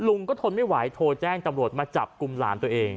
ลุงก็ทนไม่ไหวโทรแจ้งตำรวจมาจับกลุ่มหลานตัวเอง